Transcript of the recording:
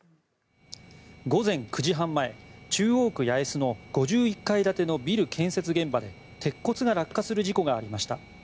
午前９時半前、中央区八重洲の５１階建てのビルの建設現場で鉄骨が落下する事故がありました。